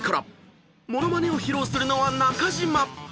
［モノマネを披露するのは中島］